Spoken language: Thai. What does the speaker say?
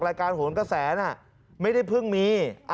รายการโหนกระแสน่ะไม่ได้เพิ่งมี